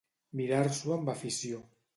Mirar-s'ho amb afició.